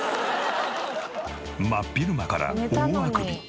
真っ昼間から大あくび。